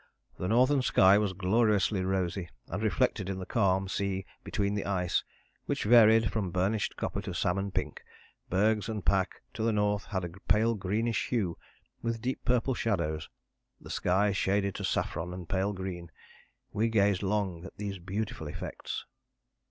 The northern sky was gloriously rosy and reflected in the calm sea between the ice, which varied from burnished copper to salmon pink; bergs and pack to the north had a pale greenish hue with deep purple shadows, the sky shaded to saffron and pale green. We gazed long at these beautiful effects."